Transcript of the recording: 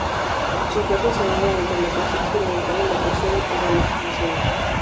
Sus versos se mueven entre la poesía experimental y la poesía del compromiso social.